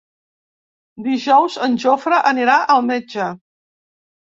Dijous en Jofre anirà al metge.